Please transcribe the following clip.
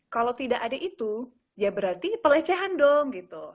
kalau tidak ada itu ya berarti pelecehan dong gitu